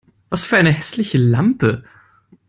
Was für eine hässliche Lampe!